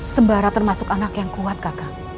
sembara termasuk anak yang kuat kakak